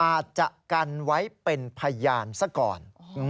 อาจจะกันไว้เป็นพยานซะก่อน